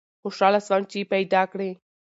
خوشحاله سوم چي پیداکړې